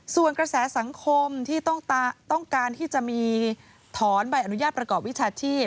ส่วนกระแสสังคมที่ต้องการที่จะมีถอนใบอนุญาตประกอบวิชาชีพ